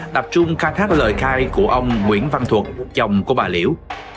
tập trung khai thác lời khai của ông nguyễn văn thuật chồng của bà liễu